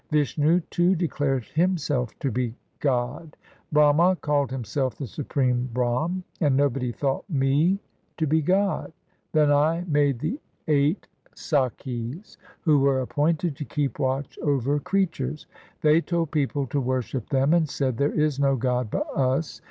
Vishnu too declared himself to be God ; Brahma called himself the supreme Brahm, And nobody thought Me to be God. Then I made the eight Sakhis 1 Who were appointed to keep watch over creatures. They told people to worship them, And said, " There is no God but us."